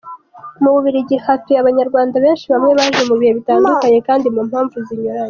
Mu Bubiligi hatuye Abanyarwanda benshi, bamwe baje mu bihe bitandukanye kandi ku mpamvu zinyuranye.